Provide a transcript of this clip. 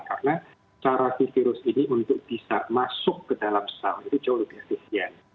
karena cara si virus ini untuk bisa masuk ke dalam selam itu jauh lebih efisien